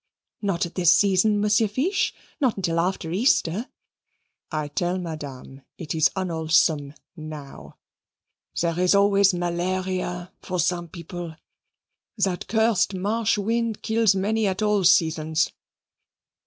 "Not at this season, Monsieur Fiche not till after Easter." "I tell Madame it is unwholesome now. There is always malaria for some people. That cursed marsh wind kills many at all seasons.